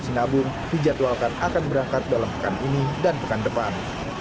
sinabung dijadwalkan akan berangkat dalam pekan ini dan pekan depan